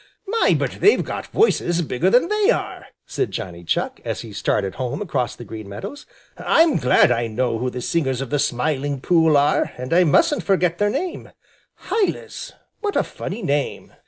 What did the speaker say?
"My, but they've got voices bigger than they are!" said Johnny Chuck, as he started home across the Green Meadows. "I'm glad I know who the singers of the Smiling Pool are, and I mustn't forget their name Hylas. What a funny name!"